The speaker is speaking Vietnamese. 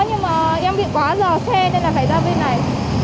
có nhưng mà em bị quá dò xe nên là phải ra bên này